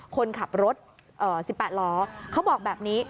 คนขับรถ๑๘ล้อเขาบอกแบบนี้